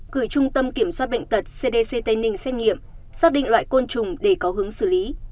gửi trung tâm kiểm soát bệnh tật cdc tây ninh xét nghiệm xác định loại côn trùng để có hướng xử lý